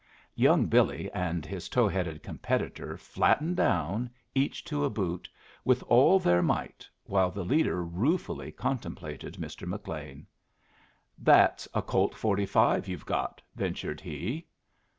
Young Billy and his tow headed competitor flattened down, each to a boot, with all their might, while the leader ruefully contemplated Mr. McLean. "That's a Colt.45 you've got," ventured he.